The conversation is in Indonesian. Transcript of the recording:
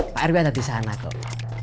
pak rw ada disana kok